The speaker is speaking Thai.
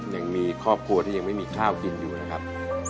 ยังมีครอบครัวที่ยังไม่มีข้าวกินอยู่นะครับ